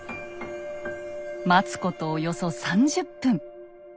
待つことおよそ３０分。